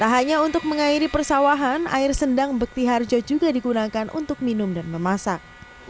tak hanya untuk mengairi persawahan air sendang bekti harjo juga digunakan untuk minum dan memasak